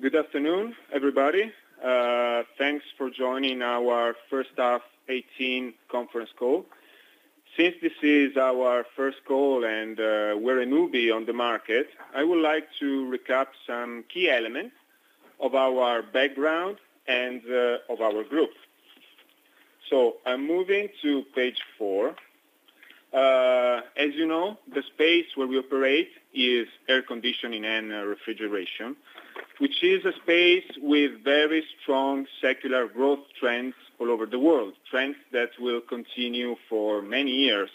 Good afternoon, everybody. Thanks for joining our first half 2018 conference call. Since this is our first call and we are a newbie on the market, I would like to recap some key elements of our background and of our group. I am moving to page four. As you know, the space where we operate is air conditioning and refrigeration, which is a space with very strong secular growth trends all over the world. Trends that will continue for many years,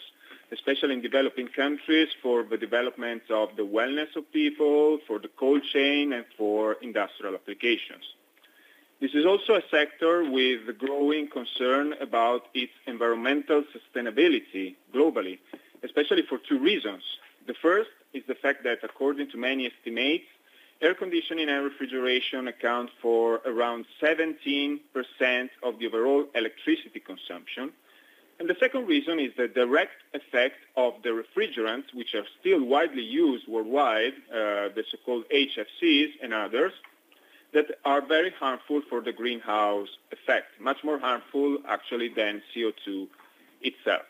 especially in developing countries, for the development of the wellness of people, for the cold chain, and for industrial applications. This is also a sector with a growing concern about its environmental sustainability globally, especially for two reasons. The first is the fact that according to many estimates, air conditioning and refrigeration account for around 17% of the overall electricity consumption. The second reason is the direct effect of the refrigerants, which are still widely used worldwide, the so-called HFCs and others, that are very harmful for the greenhouse effect, much more harmful actually, than CO2 itself.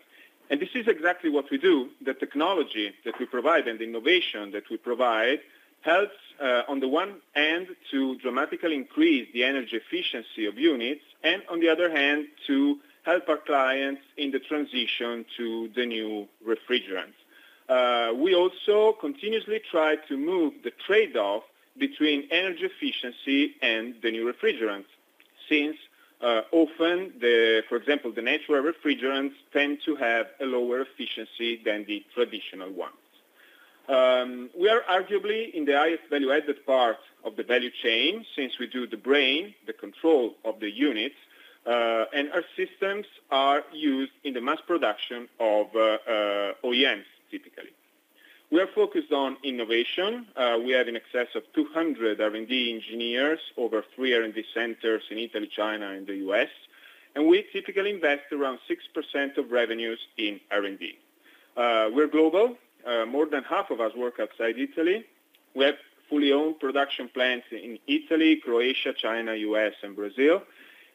This is exactly what we do. The technology that we provide and the innovation that we provide helps, on the one end, to dramatically increase the energy efficiency of units, and on the other hand, to help our clients in the transition to the new refrigerants. We also continuously try to move the trade-off between energy efficiency and the new refrigerants. Since often, for example, the natural refrigerants tend to have a lower efficiency than the traditional ones. We are arguably in the highest value-added part of the value chain, since we do the brain, the control of the units, and our systems are used in the mass production of OEMs, typically. We are focused on innovation. We have in excess of 200 R&D engineers, over three R&D centers in Italy, China, and the U.S., and we typically invest around 6% of revenues in R&D. We are global. More than half of us work outside Italy. We have fully owned production plants in Italy, Croatia, China, U.S., and Brazil,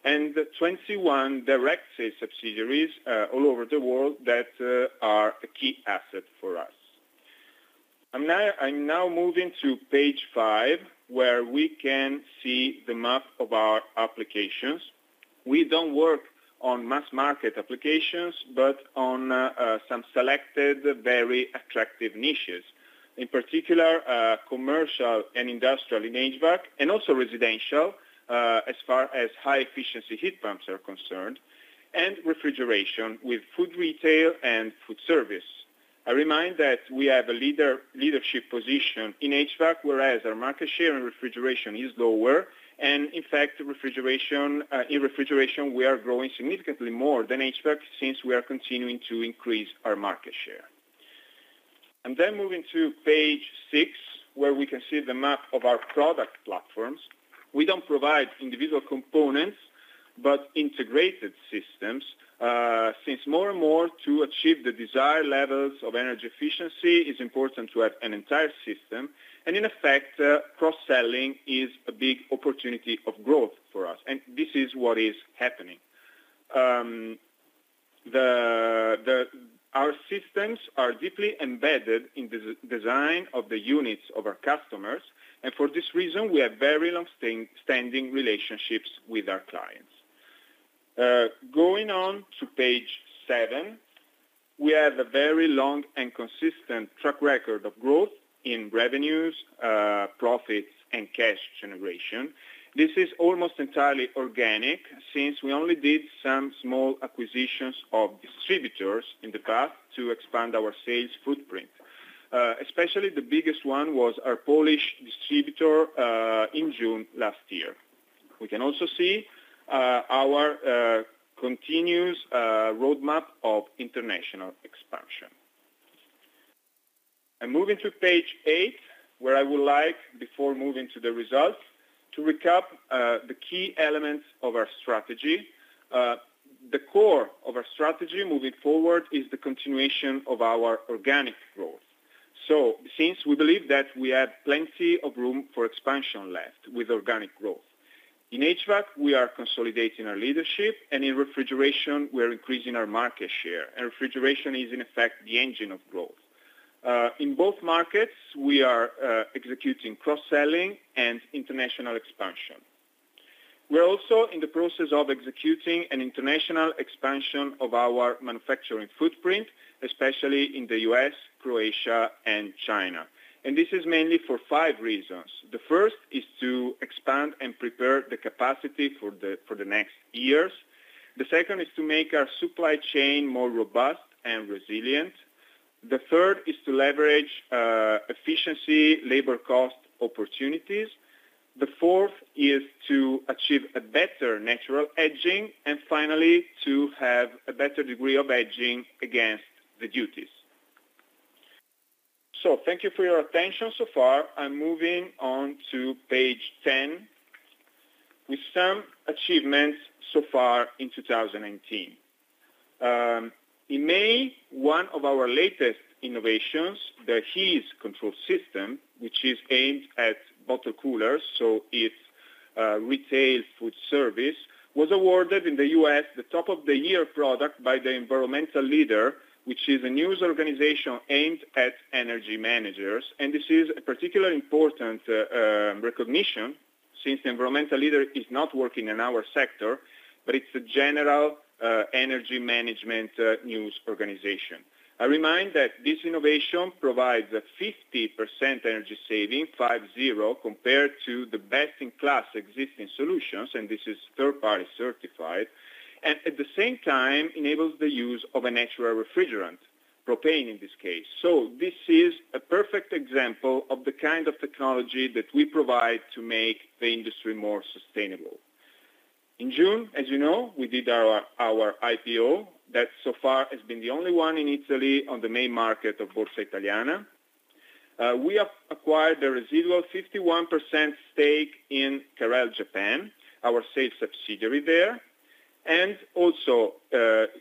and 21 direct sales subsidiaries all over the world that are a key asset for us. I am now moving to page five, where we can see the map of our applications. We do not work on mass market applications, but on some selected very attractive niches, in particular, commercial and industrial in HVAC, and also residential, as far as high efficiency heat pumps are concerned, and refrigeration with food, retail, and food service. I remind that we have a leadership position in HVAC, whereas our market share in refrigeration is lower. In fact, in refrigeration, we are growing significantly more than HVAC since we are continuing to increase our market share. I am then moving to page six, where we can see the map of our product platforms. We do not provide individual components, but integrated systems. Since more and more to achieve the desired levels of energy efficiency, it is important to have an entire system, and in effect, cross-selling is a big opportunity of growth for us, and this is what is happening. Our systems are deeply embedded in the design of the units of our customers, and for this reason, we have very long-standing relationships with our clients. Going on to page seven, we have a very long and consistent track record of growth in revenues, profits, and cash generation. This is almost entirely organic, since we only did some small acquisitions of distributors in the past to expand our sales footprint. Especially the biggest one was our Polish distributor, in June last year. We can also see our continuous roadmap of international expansion. I'm moving to page eight, where I would like, before moving to the results, to recap the key elements of our strategy. The core of our strategy moving forward is the continuation of our organic growth. Since we believe that we have plenty of room for expansion left with organic growth. In HVAC, we are consolidating our leadership, and in refrigeration, we are increasing our market share, and refrigeration is in effect the engine of growth. In both markets, we are executing cross-selling and international expansion. We're also in the process of executing an international expansion of our manufacturing footprint, especially in the U.S., Croatia, and China. This is mainly for five reasons. The first is to expand and prepare the capacity for the next years. The second is to make our supply chain more robust and resilient. The third is to leverage efficiency, labor cost opportunities. The fourth is to achieve a better natural hedging, and finally, to have a better degree of hedging against the duties. Thank you for your attention so far. I'm moving on to page 10 with some achievements so far in 2019. In May, one of our latest innovations, the Heez control system, which is aimed at bottle coolers, so it's retail food service, was awarded in the U.S. the Top Product of the Year by Environment+Energy Leader, which is a news organization aimed at energy managers. This is a particularly important recognition, since Environment+Energy Leader is not working in our sector, but it's a general energy management news organization. I remind that this innovation provides a 50% energy saving compared to the best-in-class existing solutions, and this is third-party certified, and at the same time enables the use of a natural refrigerant, propane in this case. This is a perfect example of the kind of technology that we provide to make the industry more sustainable. In June, as you know, we did our IPO, that so far has been the only one in Italy on the main market of Borsa Italiana. We have acquired a residual 51% stake in Carel Japan, our sales subsidiary there. Also,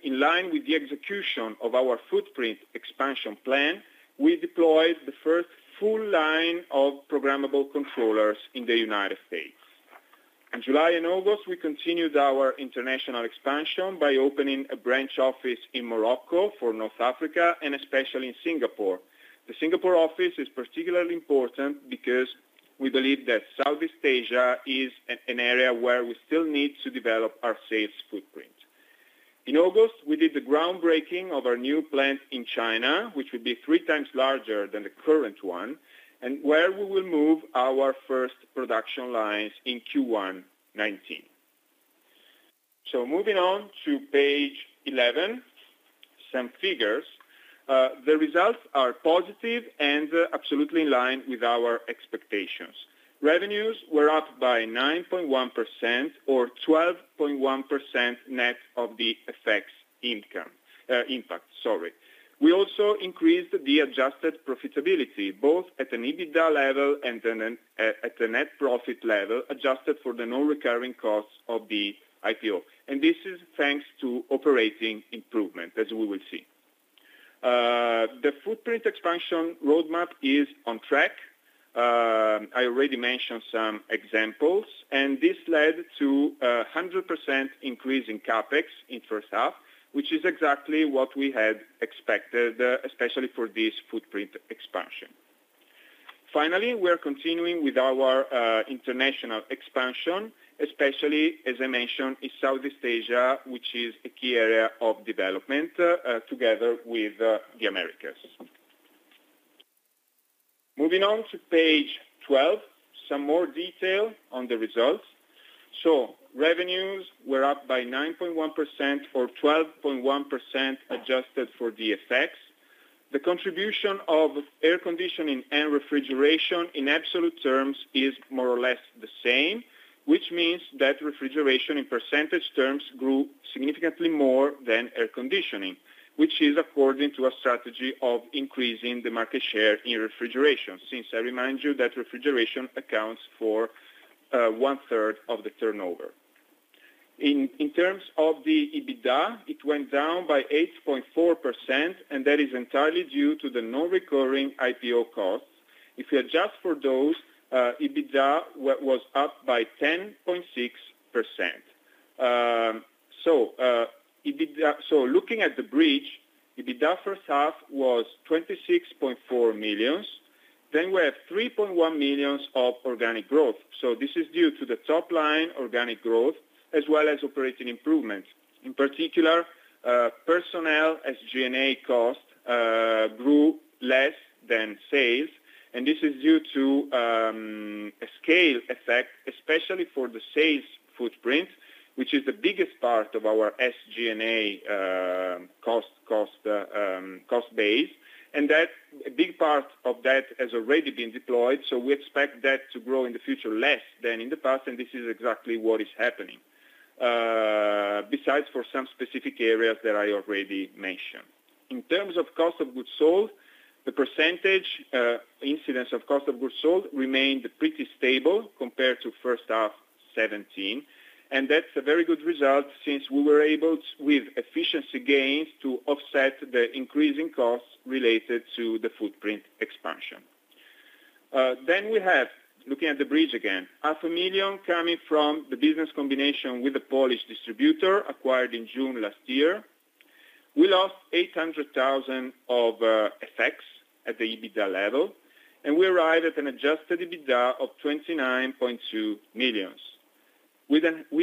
in line with the execution of our footprint expansion plan, we deployed the first full line of programmable controllers in the United States. In July and August, we continued our international expansion by opening a branch office in Morocco for North Africa and especially in Singapore. The Singapore office is particularly important because we believe that Southeast Asia is an area where we still need to develop our sales footprint. In August, we did the groundbreaking of our new plant in China, which will be three times larger than the current one, and where we will move our first production lines in Q1 2019. Moving on to page 11, some figures. The results are positive and absolutely in line with our expectations. Revenues were up by 9.1% or 12.1% net of the FX impact. We also increased the adjusted profitability, both at an EBITDA level and then at the net profit level, adjusted for the non-recurring costs of the IPO. This is thanks to operating improvement, as we will see. The footprint expansion roadmap is on track. I already mentioned some examples, and this led to 100% increase in CapEx in first half, which is exactly what we had expected, especially for this footprint expansion. Finally, we are continuing with our international expansion, especially, as I mentioned, in Southeast Asia, which is a key area of development, together with the Americas. Moving on to page 12, some more detail on the results. Revenues were up by 9.1% or 12.1% adjusted for the effects. The contribution of air conditioning and refrigeration in absolute terms is more or less the same, which means that refrigeration in percentage terms grew significantly more than air conditioning, which is according to a strategy of increasing the market share in refrigeration, since I remind you that refrigeration accounts for one third of the turnover. In terms of the EBITDA, it went down by 8.4%, and that is entirely due to the non-recurring IPO costs. If you adjust for those, EBITDA was up by 10.6%. Looking at the bridge, EBITDA first half was 26.4 million. We have 3.1 million of organic growth. This is due to the top line organic growth as well as operating improvements. In particular, personnel, SG&A costs, grew less than sales, and this is due to a scale effect, especially for the sales footprint, which is the biggest part of our SG&A cost base, and a big part of that has already been deployed, so we expect that to grow in the future less than in the past, and this is exactly what is happening. Besides for some specific areas that I already mentioned. In terms of cost of goods sold, the percentage, incidence of cost of goods sold remained pretty stable compared to first half 2017, and that's a very good result since we were able, with efficiency gains, to offset the increasing costs related to the footprint expansion. We have, looking at the bridge again, half a million coming from the business combination with the Polish distributor acquired in June last year. We lost 800,000 of FX impact at the EBITDA level, and we arrive at an adjusted EBITDA of 29.2 million. We have 5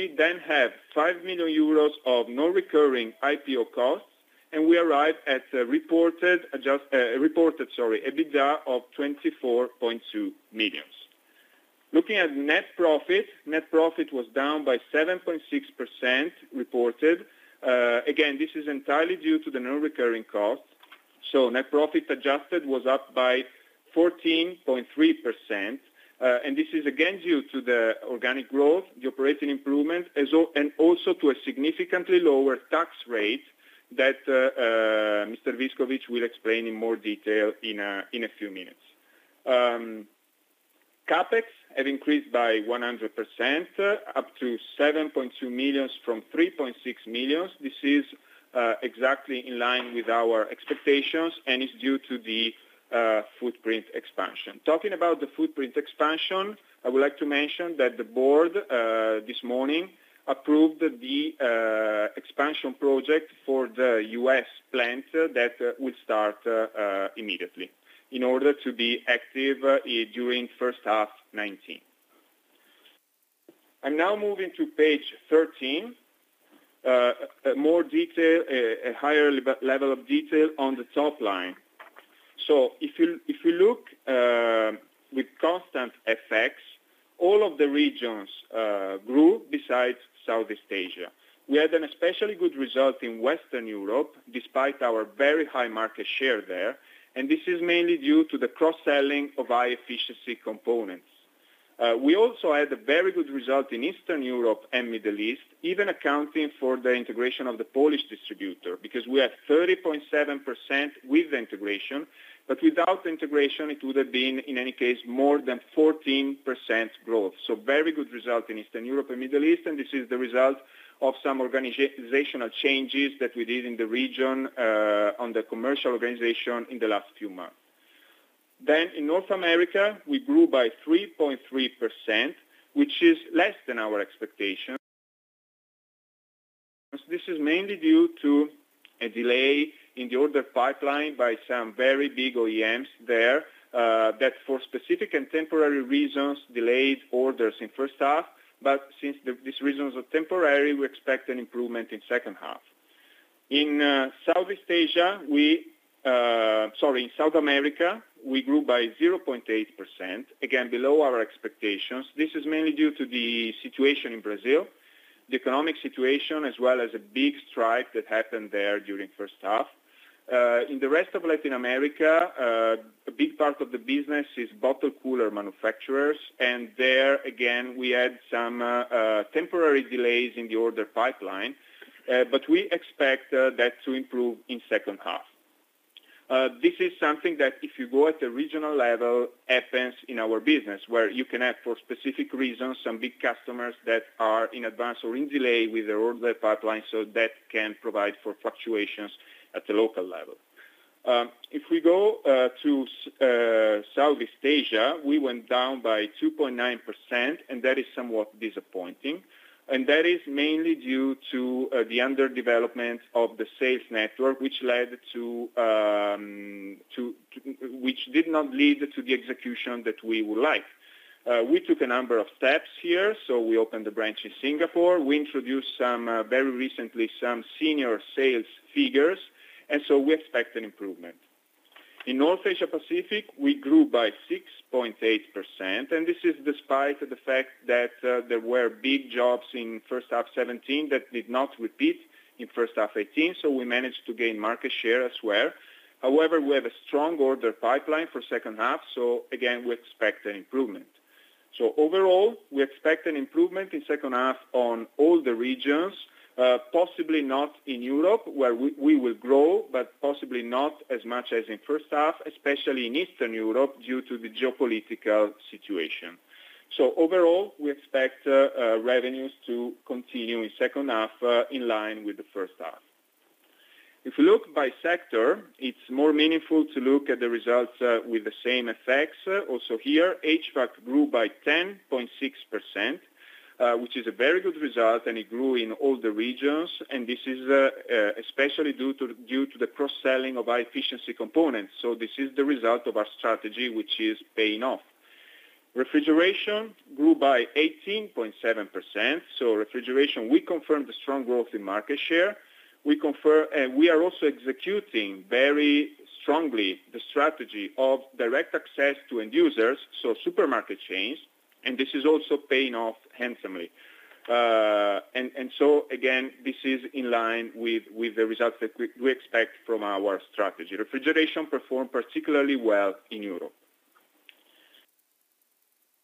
million euros of non-recurring IPO costs, and we arrive at a reported EBITDA of 24.2 million. Looking at net profit, net profit was down by 7.6% reported. Again, this is entirely due to the non-recurring costs. Net profit adjusted was up by 14.3%, and this is again due to the organic growth, the operating improvement, and also to a significantly lower tax rate that Mr. Viscovich will explain in more detail in a few minutes. CapEx have increased by 100%, up to 7.2 million from 3.6 million. This is exactly in line with our expectations, and is due to the footprint expansion. Talking about the footprint expansion, I would like to mention that the board, this morning, approved the expansion project for the U.S. plant that will start immediately in order to be active during first half 2019. I'm now moving to page 13. More detail, a higher level of detail on the top line. If you look with constant FX, all of the regions grew besides Southeast Asia. We had an especially good result in Western Europe, despite our very high market share there. This is mainly due to the cross-selling of high efficiency components. We also had a very good result in Eastern Europe and Middle East, even accounting for the integration of the Polish distributor, because we had 30.7% with integration. Without integration, it would have been, in any case, more than 14% growth. Very good result in Eastern Europe and Middle East, and this is the result of some organizational changes that we did in the region, on the commercial organization in the last few months. In North America, we grew by 3.3%, which is less than our expectation. This is mainly due to a delay in the order pipeline by some very big OEMs there, that for specific and temporary reasons, delayed orders in first half. Since these reasons are temporary, we expect an improvement in second half. In South America, we grew by 0.8%, again, below our expectations. This is mainly due to the situation in Brazil, the economic situation, as well as a big strike that happened there during first half. In the rest of Latin America, a big part of the business is bottle cooler manufacturers, and there, again, we had some temporary delays in the order pipeline. We expect that to improve in second half. This is something that, if you go at the regional level, happens in our business, where you can have, for specific reasons, some big customers that are in advance or in delay with their order pipeline, so that can provide for fluctuations at the local level. If we go to Southeast Asia, we went down by 2.9%, and that is somewhat disappointing. That is mainly due to the under-development of the sales network, which did not lead to the execution that we would like. We took a number of steps here, so we opened a branch in Singapore. We introduced, very recently, some senior sales figures. We expect an improvement. In North Asia Pacific, we grew by 6.8%. This is despite the fact that there were big jobs in first half 2017 that did not repeat in first half 2018, so we managed to gain market share as well. However, we have a strong order pipeline for second half, so again, we expect an improvement. Overall, we expect an improvement in second half on all the regions. Possibly not in Europe, where we will grow, possibly not as much as in first half, especially in Eastern Europe, due to the geopolitical situation. Overall, we expect revenues to continue in second half in line with the first half. If you look by sector, it's more meaningful to look at the results with the same effects. Also here, HVAC grew by 10.6%, which is a very good result. It grew in all the regions. This is especially due to the cross-selling of high efficiency components. This is the result of our strategy, which is paying off. Refrigeration grew by 18.7%. Refrigeration, we confirmed the strong growth in market share. We are also executing very strongly the strategy of direct access to end users, so supermarket chains. This is also paying off handsomely. This is in line with the results that we expect from our strategy. Refrigeration performed particularly well in Europe.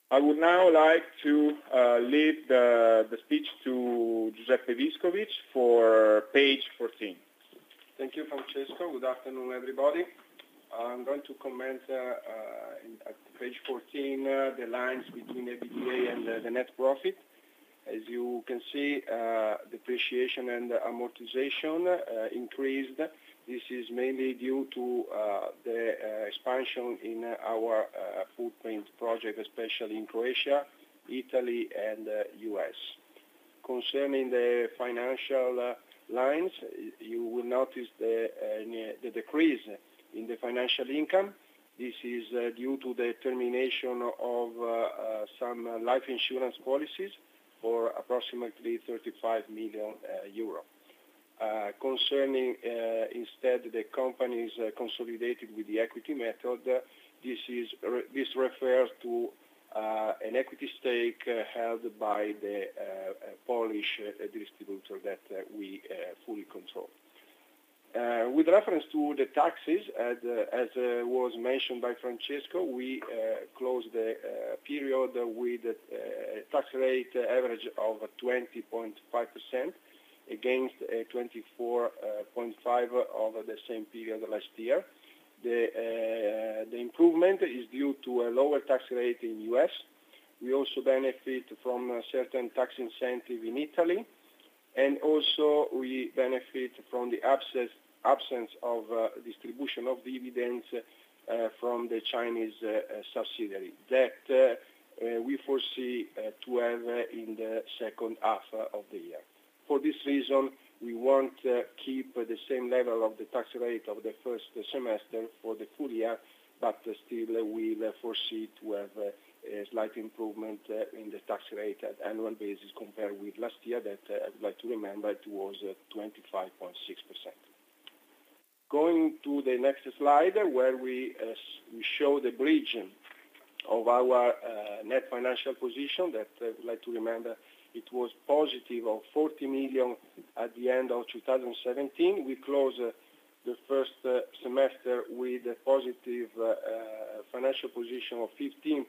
I would now like to leave the speech to Giuseppe Viscovich for page 14. Thank you, Francesco. Good afternoon, everybody. I'm going to comment, at page 14, the lines between the EBITDA and the net profit. As you can see, depreciation and amortization increased. This is mainly due to the expansion in our footprint project, especially in Croatia, Italy, and U.S. Concerning the financial lines, you will notice the decrease in the financial income. This is due to the termination of some life insurance policies for approximately 35 million euro. Concerning, instead, the companies consolidated with the equity method, this refers to an equity stake held by the Polish distributor that we fully control. With reference to the taxes, as was mentioned by Francesco, we close the period with a tax rate average of 20.5% against 24.5% over the same period last year. The improvement is due to a lower tax rate in U.S. We also benefit from a certain tax incentive in Italy. We also benefit from the absence of distribution of dividends from the Chinese subsidiary that we foresee to have in the second half of the year. For this reason, we won't keep the same level of the tax rate of the first semester for the full year, but still, we foresee to have a slight improvement in the tax rate at annual basis compared with last year that, I'd like to remember, it was 25.6%. Going to the next slide, where we show the bridge of our net financial position, that I'd like to remember, it was positive of 40 million at the end of 2017. We close the first semester with a positive financial position of 15.2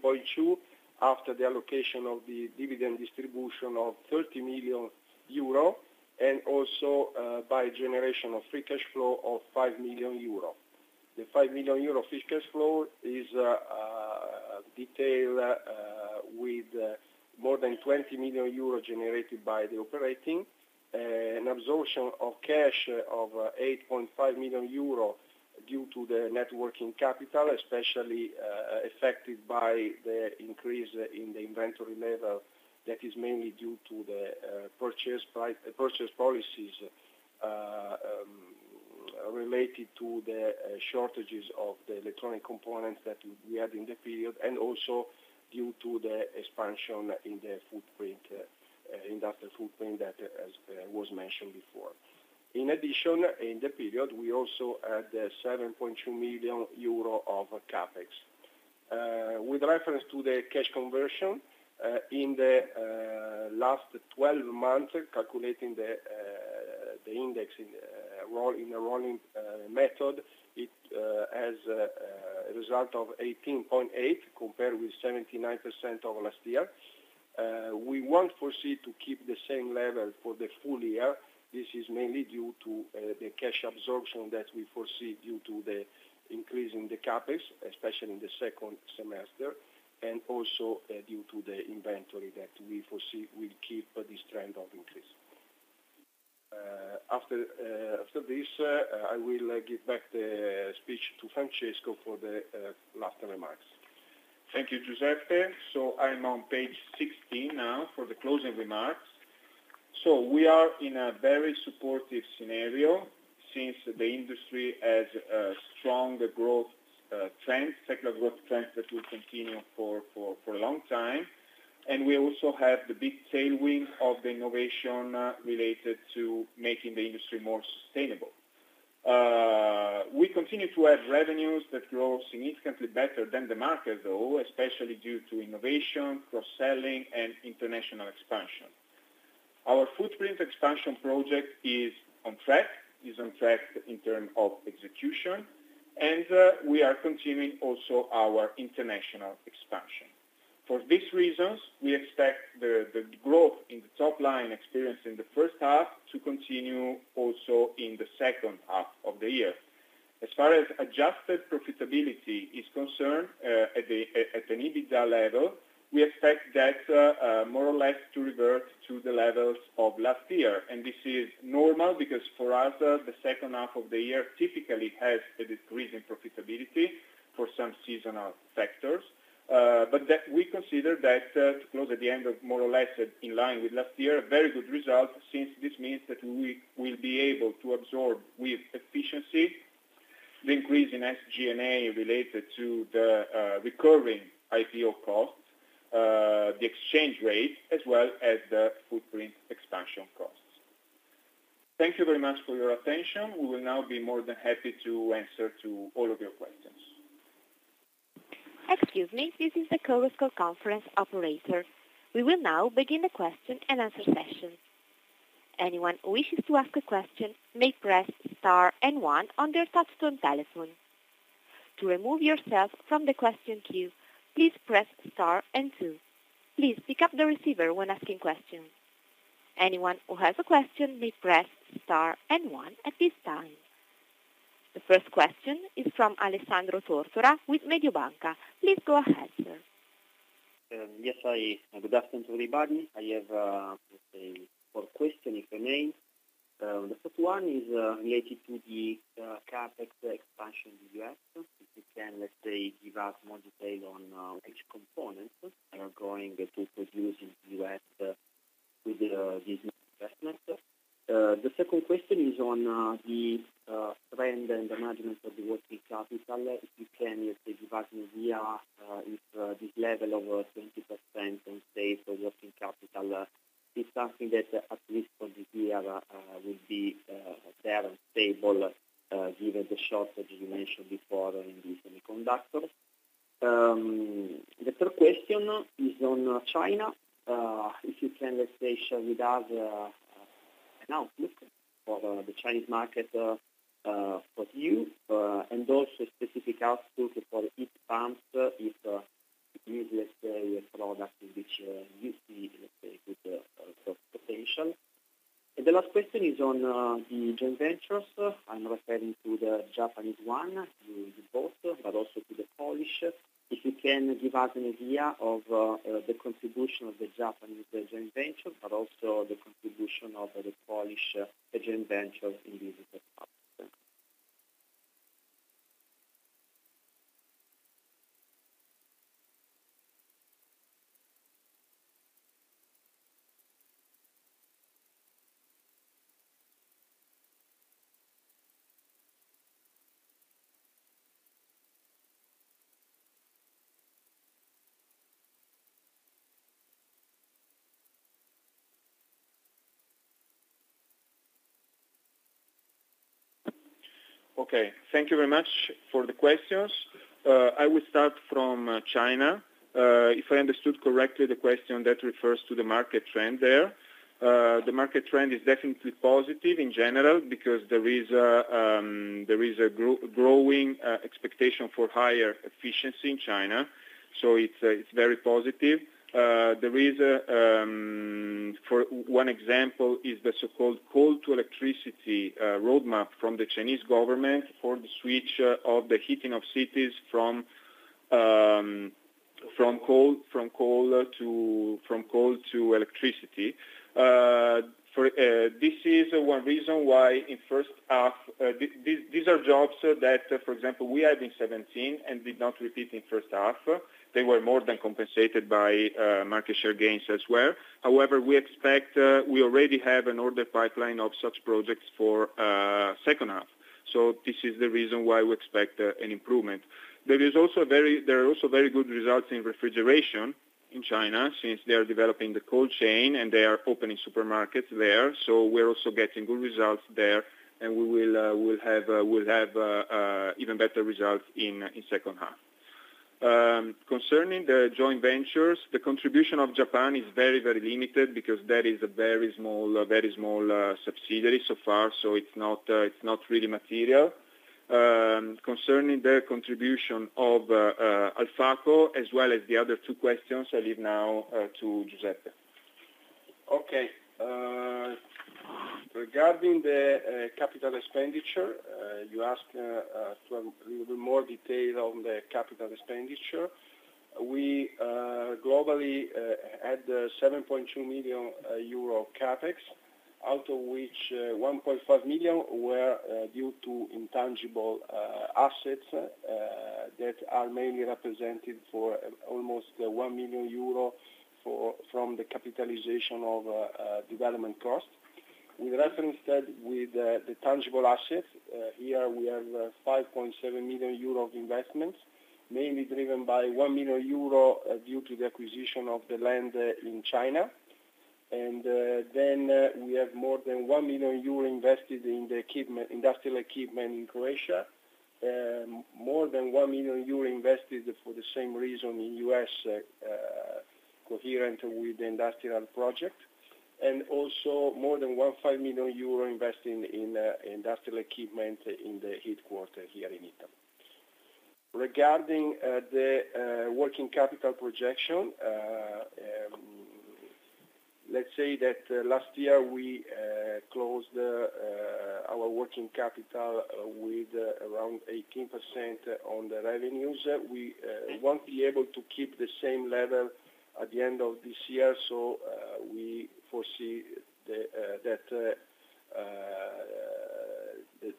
after the allocation of the dividend distribution of 30 million euro, and also by generation of free cash flow of 5 million euro. The 5 million euro free cash flow is detailed with more than 20 million euros generated by the operating, an absorption of cash of 8.5 million euros due to the net working capital, especially affected by the increase in the inventory level that is mainly due to the purchase policies related to the shortages of the electronic components that we had in the period and also due to the expansion in the industrial footprint that was mentioned before. In addition, in the period, we also had 7.2 million euro of CapEx. With reference to the cash conversion, in the last 12 months, calculating the index in a rolling method, it has a result of 18.8% compared with 79% of last year. We won't foresee to keep the same level for the full year. This is mainly due to the cash absorption that we foresee due to the increase in the CapEx, especially in the second semester, and also due to the inventory that we foresee will keep this trend of increase. After this, I will give back the speech to Francesco for the latter remarks. Thank you, Giuseppe. I'm on page 16 now for the closing remarks. We are in a very supportive scenario since the industry has a strong growth trend, secular growth trend, that will continue for a long time, and we also have the big tailwind of the innovation related to making the industry more sustainable. We continue to have revenues that grow significantly better than the market, though, especially due to innovation, cross-selling, and international expansion. Our footprint expansion project is on track in terms of execution, and we are continuing also our international expansion. For these reasons, we expect the growth in the top line experienced in the first half to continue also in the second half of the year. As far as adjusted profitability is concerned, at an EBITDA level, we expect that more or less to revert to the levels of last year. This is normal because for us, the second half of the year typically has a decrease in profitability for some seasonal factors. We consider that to close at the end of more or less in line with last year, a very good result, since this means that we will be able to absorb with efficiency the increase in SG&A related to the recurring IPO costs, the exchange rate, as well as the footprint expansion costs. Thank you very much for your attention. We will now be more than happy to answer to all of your questions. Excuse me. This is the conference call conference operator. We will now begin the question-and-answer session. Anyone who wishes to ask a question may press star and one on their touch-tone telephone. To remove yourself from the question queue, please press star and two. Please pick up the receiver when asking questions. Anyone who has a question, please press star and one at this time. The first question is from Alessandro Tortora with Mediobanca. Please go ahead, sir. Yes. Good afternoon, everybody. I have four questions, if I may. The first one is related to the CapEx expansion in the U.S. If you can give us more detail on each component you are going to produce in the U.S. with this investment. The second question is on the trend and the management of the working capital. If you can give us an idea if this level of 20% on sales of working capital is something that, at least for this year, will be there and stable given the shortage you mentioned before in the semiconductors. The third question is on China. If you can share with us now looking for the Chinese market for you, and also specific outlook for heat pumps, if it is a product in which you see good potential. The last question is on the joint ventures. I'm referring to the Japanese one you reported but also to the Polish. If you can give us an idea of the contribution of the Japanese joint venture, but also the contribution of the Polish joint venture in this part. Okay. Thank you very much for the questions. I will start from China. If I understood correctly, the question that refers to the market trend there. The market trend is definitely positive in general because there is a growing expectation for higher efficiency in China, so it's very positive. One example is the so-called coal to electricity roadmap from the Chinese government for the switch of the heating of cities from coal to electricity. These are jobs that, for example, we had in 2017 and did not repeat in first half. They were more than compensated by market share gains as well. However, we already have an order pipeline of such projects for second half. This is the reason why we expect an improvement. There are also very good results in refrigeration in China, since they are developing the cold chain and they are opening supermarkets there. We're also getting good results there, and we'll have even better results in second half. Concerning the joint ventures, the contribution of Carel Japan is very limited because that is a very small subsidiary so far, so it's not really material. Concerning the contribution of Alfaco as well as the other two questions, I leave now to Giuseppe. Regarding the capital expenditure, you ask to have a little bit more detail on the capital expenditure. We globally had 7.2 million euro CapEx, out of which 1.5 million were due to intangible assets, that are mainly represented for almost 1 million euro from the capitalization of development costs. With reference that with the tangible assets, here we have 5.7 million euro of investments, mainly driven by 1 million euro due to the acquisition of the land in China. We have more than 1 million euro invested in the industrial equipment in Croatia, more than 1 million euro invested for the same reason in U.S., coherent with the industrial project, and also more than 1.5 million euro invested in industrial equipment in the headquarter here in Italy. Regarding the working capital projection, let's say that last year we closed our working capital with around 18% on the revenues. We won't be able to keep the same level at the end of this year, we foresee that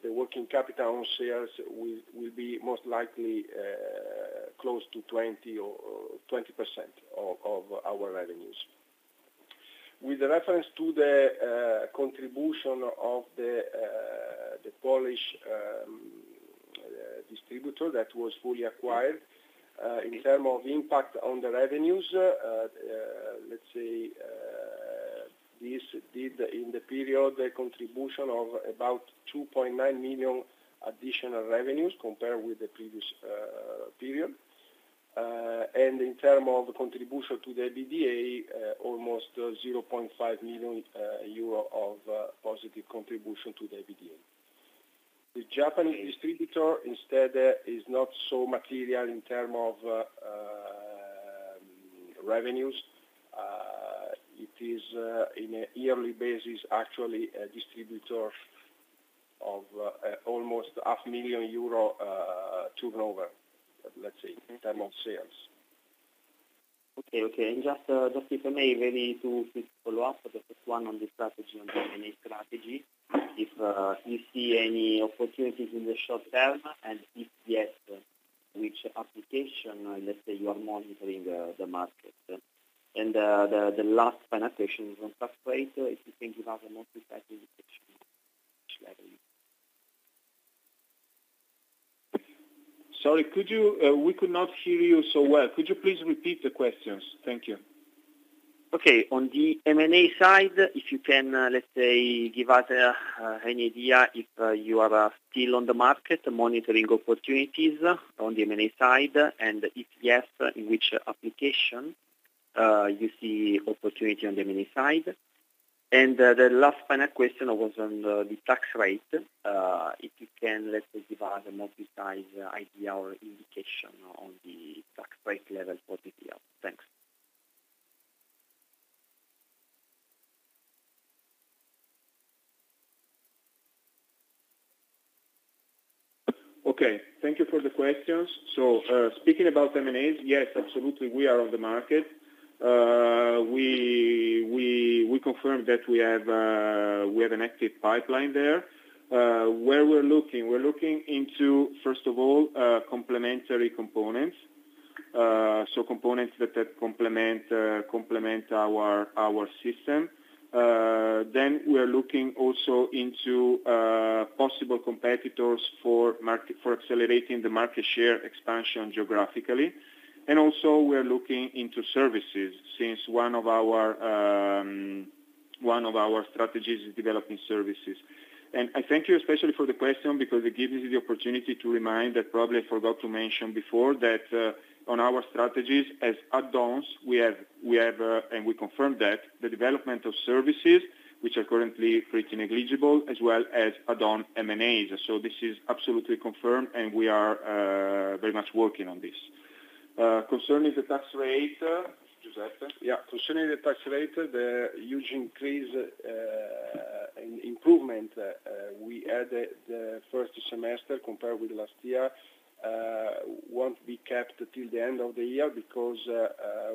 the working capital on sales will be most likely close to 20% of our revenues. With reference to the contribution of the Polish distributor that was fully acquired, in term of impact on the revenues, let's say, this did in the period a contribution of about 2.9 million additional revenues compared with the previous period. In term of contribution to the EBITDA, almost 0.5 million euro of positive contribution to the EBITDA. The Japanese distributor, instead, is not so material in term of revenues. It is, in a yearly basis, actually a distributor of almost half million EUR turnover, let's say, in term of sales. Just, if I may, maybe two quick follow-up. The first one on the M&A strategy. If you see any opportunities in the short term, and if yes, which application, let's say, you are monitoring the market. The last final question is on Cash Flow, if you think you have a [inaudible] which level. Sorry, we could not hear you so well. Could you please repeat the questions? Thank you. Okay. On the M&A side, if you can, let's say, give us any idea if you are still on the market monitoring opportunities on the M&A side, if yes, in which application you see opportunity on the M&A side. The last final question was on the tax rate. If you can let us give us a more precise idea or indication on the tax rate level for this year. Thanks. Okay. Thank you for the questions. Speaking about M&As, yes, absolutely, we are on the market. We confirm that we have an active pipeline there. Where we're looking, we're looking into, first of all, complementary components, so components that complement our system. We're looking also into possible competitors for accelerating the market share expansion geographically. Also we're looking into services, since one of our strategies is developing services. I thank you especially for the question, because it gives me the opportunity to remind, that probably I forgot to mention before, that on our strategies as add-ons, we have, and we confirm that, the development of services, which are currently pretty negligible, as well as add-on M&As. This is absolutely confirmed, and we are very much working on this. Concerning the tax rate, Giuseppe? Yeah. Concerning the tax rate, the huge increase in improvement we had the first semester compared with last year, won't be kept till the end of the year because,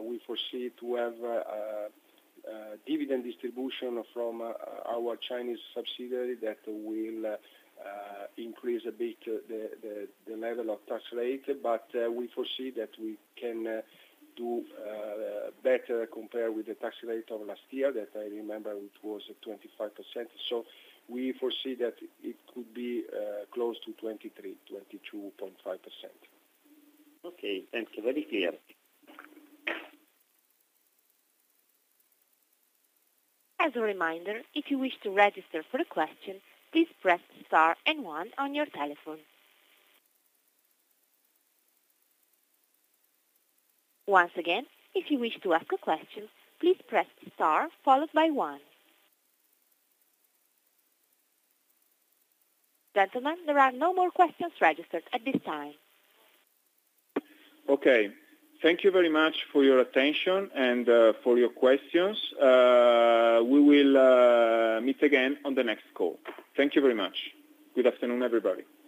we foresee to have a dividend distribution from our Chinese subsidiary that will increase a bit the level of tax rate. We foresee that we can do better compared with the tax rate of last year, that I remember it was 25.6%. We foresee that it could be close to 23%, 22.5%. Okay, thanks. Very clear. As a reminder, if you wish to register for a question, please press star and one on your telephone. Once again, if you wish to ask a question, please press star followed by one. Gentlemen, there are no more questions registered at this time. Okay. Thank you very much for your attention and for your questions. We will meet again on the next call. Thank you very much. Good afternoon, everybody.